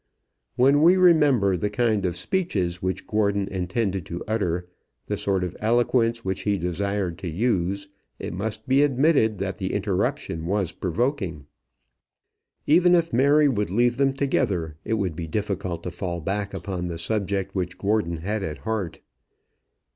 When we remember the kind of speeches which Gordon intended to utter, the sort of eloquence which he desired to use, it must be admitted that the interruption was provoking. Even if Mary would leave them together, it would be difficult to fall back upon the subject which Gordon had at heart.